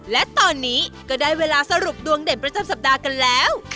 และตอนนี้ก็ได้เวลาสรุปดวงเด่นประจำสัปดาห์กันแล้ว